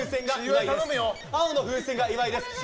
青の風船が岩井です。